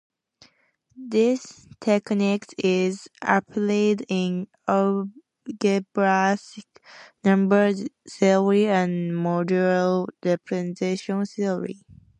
This technique is applied in algebraic number theory and modular representation theory.